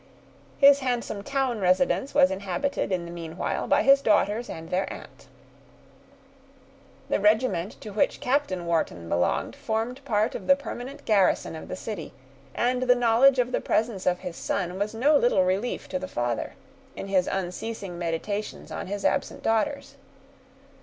His handsome town residence was inhabited, in the meanwhile, by his daughters and their aunt. The regiment to which Captain Wharton belonged formed part of the permanent garrison of the city; and the knowledge of the presence of his son was no little relief to the father, in his unceasing meditations on his absent daughters.